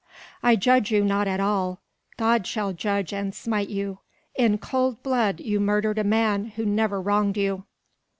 "I judge you not at all. God shall judge and smite you. In cold blood you murdered a man who never wronged you."